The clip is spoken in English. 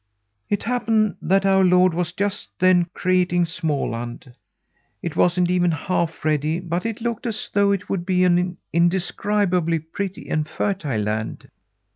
"It happened that our Lord was just then creating Småland. It wasn't even half ready but it looked as though it would be an indescribably pretty and fertile land.